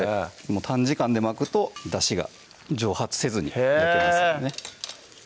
短時間で巻くとだしが蒸発せずに残りますのでね